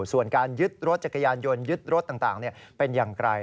ส่วนการยึดรถจักรยานยนต์ยึดรถต่างเป็นอย่างไร